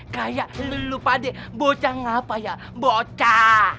kayak lalu pade bocach ngapa ya bocah